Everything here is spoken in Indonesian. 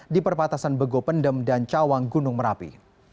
di perbatasan bego pendem dan cawang gunung merapi